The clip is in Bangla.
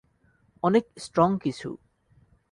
অনেক স্ট্রং কিছু।